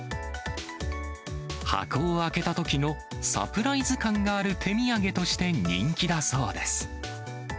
箱を開けたときのサプライズ感がある手土産として人気だそうです。